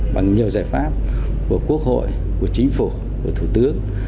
bằng nhiều giải pháp của quốc hội của chính phủ của thủ tướng